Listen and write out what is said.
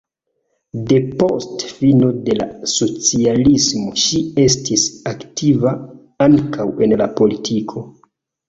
Depost fino de la socialismo ŝi estis aktiva ankaŭ en la politiko.